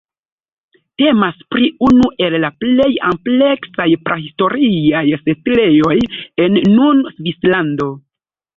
Temas pri unu el la plej ampleksaj prahistoriaj setlejoj en nun Svislando.